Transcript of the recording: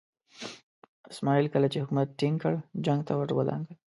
اسماعیل کله چې حکومت ټینګ کړ جنګ ته ور ودانګل.